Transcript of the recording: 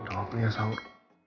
udah ngapain ya saur